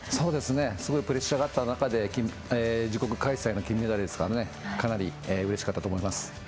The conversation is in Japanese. すごいプレッシャーがあった中で自国開催の金メダルですから、かなりうれしかったと思います。